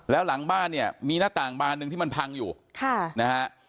แล้วหลังบ้านเนี่ยมีหน้าต่างบานหนึ่งที่มันพังอยู่ค่ะนะฮะ